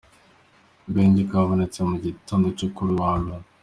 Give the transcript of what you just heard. Agahenge kabonetse mu gitondo cyo kuri uyu wa mbere.